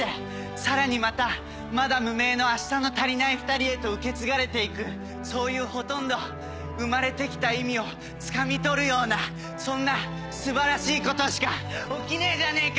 さらにまたまだ無名の明日のたりないふたりへと受け継がれていくそういうほとんど生まれてきた意味をつかみ取るようなそんな素晴らしいことしか起きねえじゃねぇか！